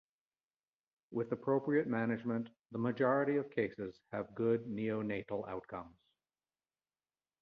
With appropriate management, the majority of cases have good neonatal outcomes.